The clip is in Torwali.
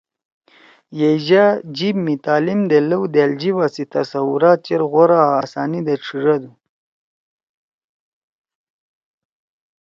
یَئیجأ جیِب می تعلیم دے لؤ دأل جیِبا سی تصورات چیر غورا آں آسانی دے ڇھیڙَدُو۔